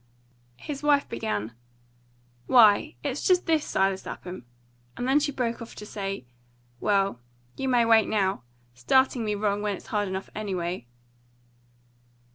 His wife began, "Why, it's just this, Silas Lapham!" and then she broke off to say, "Well, you may wait, now starting me wrong, when it's hard enough anyway."